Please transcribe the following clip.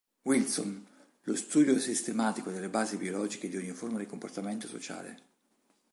Wilson: "Lo studio sistematico delle basi biologiche di ogni forma di comportamento sociale".